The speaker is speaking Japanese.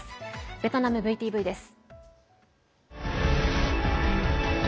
ベトナムＶＴＶです。